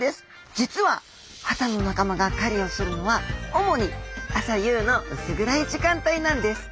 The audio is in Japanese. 実はハタの仲間が狩りをするのは主に朝夕の薄暗い時間帯なんです。